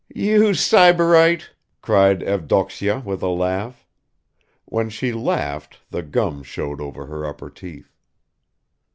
"You sybarite," cried Evdoksya with a laugh. (When she laughed the gums showed over her upper teeth.)